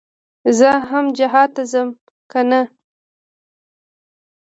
زه هم جهاد ته ځم كنه.